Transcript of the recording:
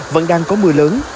vẫn đang có mưa lớn